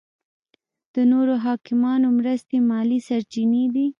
د نورو حاکمانو مرستې مالي سرچینې دي.